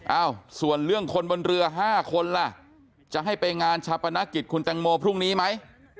เอ้าส่วนเรื่องคนบนเรือ๕คนล่ะจะให้ไปงานชาปนกิจคุณแตงโมพรุ่งนี้ไหม